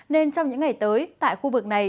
nên trong những ngày tới tại khu vực này